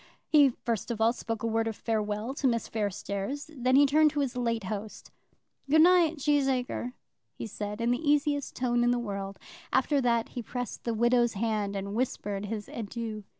He first of all spoke a word of farewell to Miss Fairstairs; then he turned to his late host; "Good night, Cheesacre," he said, in the easiest tone in the world; after that he pressed the widow's hand and whispered his adieu.